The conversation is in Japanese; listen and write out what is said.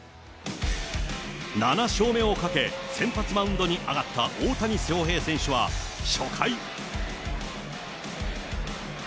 ７勝目をかけ、先発マウンドに上がった大谷翔平選手は、初回。